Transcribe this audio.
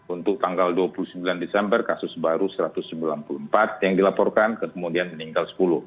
untuk tanggal dua puluh sembilan desember kasus baru satu ratus sembilan puluh empat yang dilaporkan kemudian meninggal sepuluh